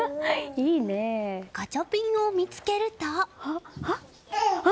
ガチャピンを見つけると。